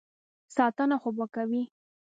ساتنه خو به کوي.